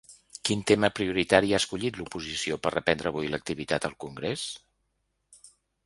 Quin tema prioritari ha escollit l’oposició per reprendre avui l’activitat al congrés?